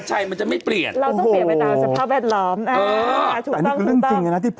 ใช่มันจะไม่เปลี่ยน